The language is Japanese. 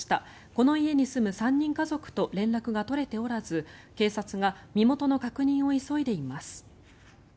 この家に住む３人家族と連絡が取れておらず警察が身元の確認を急いでいます。